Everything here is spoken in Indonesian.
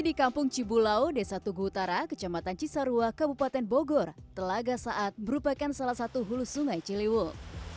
di kampung cibulau desa tugu utara kecamatan cisarua kabupaten bogor telaga saat merupakan salah satu hulu sungai ciliwung